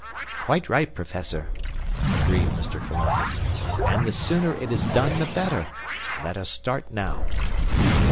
"Quite right, Professor," agreed Mr. Philander, "and the sooner it is done the better. Let us start now."